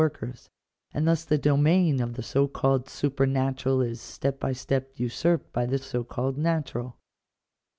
workers; and thus the domain of the so called supernatural is step by step usurped by the so called natural.